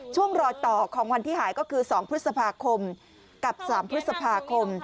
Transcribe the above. ช่วงรอยต่อของวันที่หายก็คือ๒พฤษภาคมกับ๓พฤษภาคม